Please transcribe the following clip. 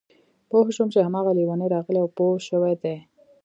پوه شوم چې هماغه لېونی راغلی او پوه شوی دی